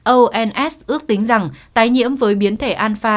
ons ước tính rằng tái nhiễm với biến thể anfa